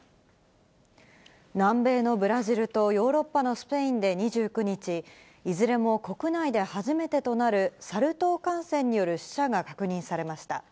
南米のブラジルとヨーロッパのスペインで２９日、いずれも国内で初めてとなるサル痘感染による死者が確認されました。